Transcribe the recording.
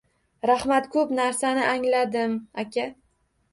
Rahmat, ko’p narsani angladim, aka!